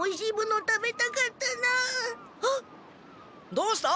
どうした？